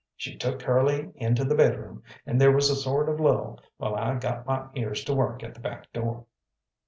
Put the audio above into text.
She took Curly into the bedroom, and there was a sort of lull, while I got my ears to work at the back door.